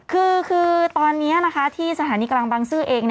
คือตอนนี้ที่สถานีกลางบางซื่อเอง